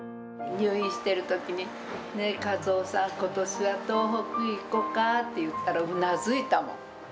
入院しているときに、和雄さん、ことしは東北行こうかって言ったらうなずいたもん。